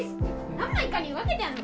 何枚かに分けてあるの？